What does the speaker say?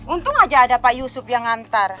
untung aja ada pak yusuf yang ngantar